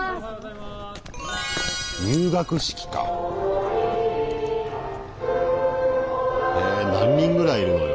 入学式か！へ何人ぐらいいるのよ